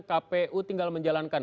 kpu tinggal menjalankan